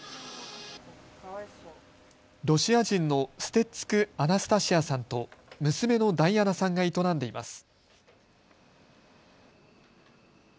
ロシア人のステッツク・アナスタシアさんと娘のダイアナさんが営んでいます。